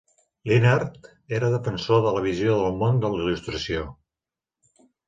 Linhart era defensor de la visió del món de la Il·lustració.